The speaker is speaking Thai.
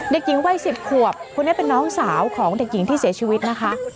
เด็กหญิงวัย๑๐ขวบคนนี้เป็นน้องสาวของเด็กหญิงที่เสียชีวิตนะคะ